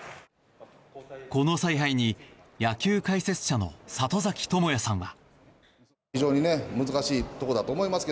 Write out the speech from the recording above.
この采配に野球解説者の里崎智也さんは。